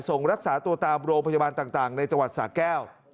ส่งรักษาตัวตามโรงพยาบาลต่างในจังหวัดสาแก้ว